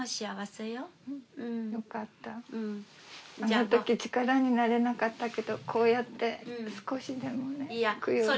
あのとき力になれなかったけどこうやって少しでも供養できて。